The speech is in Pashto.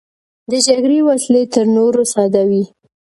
د جګړې وسلې تر نورو ساده وې.